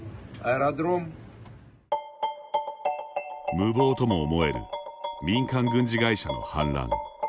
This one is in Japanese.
無謀とも思える民間軍事会社の反乱。